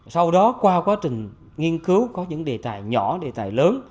sau đó qua quá trình nghiên cứu có những đề tài nhỏ đề tài lớn